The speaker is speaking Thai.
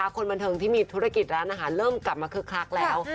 คนบันเทิงที่มีธุรกิจร้านอาหารเริ่มกลับมาคึกคักแล้ว